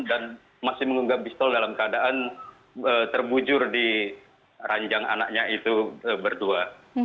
dan masih mengunggah pistol dalam keadaan terbujur di ranjang anaknya itu berdua